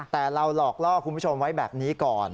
แต่เราหลอกล่อคุณผู้ชมไว้แบบนี้ก่อน